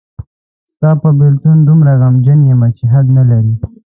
ستاپه بیلتون دومره غمجن یمه چی حد نلری.